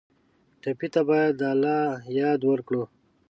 ټپي ته باید د الله یاد ورکړو.